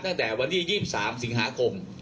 ตั้งแต่วันที่๒๓สิงหาคม